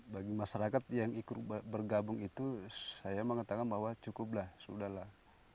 bagi masyarakat yang ikut bergabung itu saya mengetahui bahwa cukup lah sudah lah